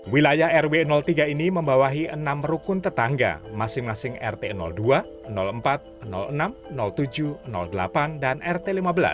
wilayah rw tiga ini membawahi enam rukun tetangga masing masing rt dua empat enam tujuh delapan dan rt lima belas